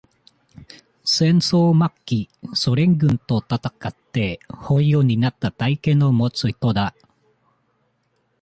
戦争末期、ソ連軍と戦って、捕虜になった体験を持つ人だ。